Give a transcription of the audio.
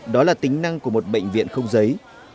đó là tính năng của một bệnh viện không giấy